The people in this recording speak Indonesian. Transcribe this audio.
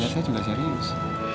ya saya juga serius